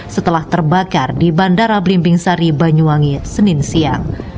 setelah terbakar di bandara belimbing sari banyuwangi senin siang